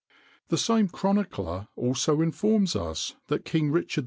The same chronicler also informs us that King Richard II.